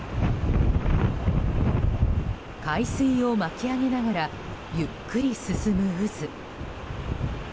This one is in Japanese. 海水を巻き上げながらゆっくり進む渦。